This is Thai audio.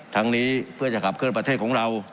ทั้งนี้เพื่อจะขับเคลื่อนประเทศของเรา